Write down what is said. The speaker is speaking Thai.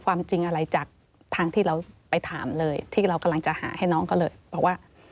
ความจริงอะไรจากทางที่เราไปถามเลยที่เรากำลังจะหาให้น้องก็เลยบอกว่า